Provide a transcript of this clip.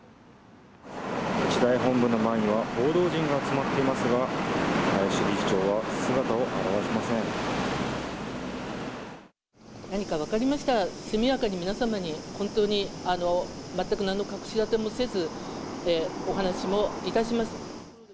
日大本部の前には、報道陣が集まっていますが、何か分かりましたら、速やかに皆様に、本当に全くなんの隠し立てもせず、お話もいたします。